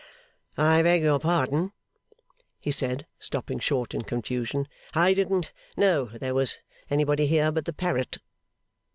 'I beg your pardon,' he said, stopping short in confusion; 'I didn't know there was anybody here but the parrot.